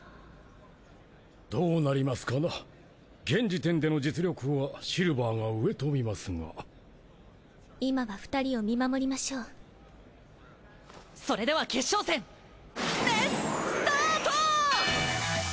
どうなりますかな現時点での実力はシルヴァーが上と見ますが今は２人を見守りましょうそれでは決勝戦レッツスタート！！